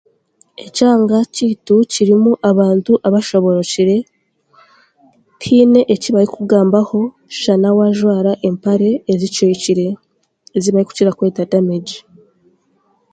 Ekyanga kyaitu kiruma abantu bashoborekire, tihaine ekibarikugambaho shana waajwara empare ezicwekire ezi barikukira kweta damegi